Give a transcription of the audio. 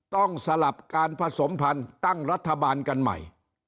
สลับการผสมพันธุ์ตั้งรัฐบาลกันใหม่